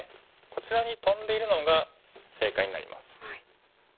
こちらにトンでいるのが正解になります。